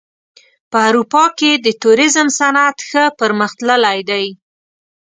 په اروپا کې د توریزم صنعت ښه پرمختللی دی.